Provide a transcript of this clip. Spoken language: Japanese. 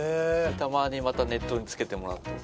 たまにまた熱湯につけてもらうと。